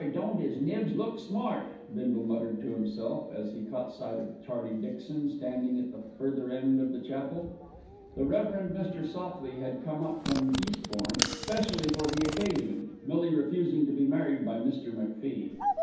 don't 'is Nibs look smart," Bindle muttered to himself, as he caught sight of Charlie Dixon standing at the further end of the chapel. The Rev. Mr. Sopley had come up from Eastbourne specially for the occasion, Millie refusing to be married by Mr. MacFie.